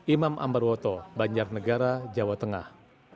imam ambar woto banjarnegara jawa tengah